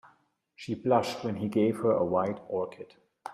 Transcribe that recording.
She blushed when he gave her a white orchid.